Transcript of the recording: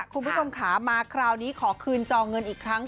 คุณผู้ชมค่ะมาคราวนี้ขอคืนจอเงินอีกครั้ง